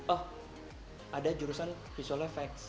oh ada jurusan visual efek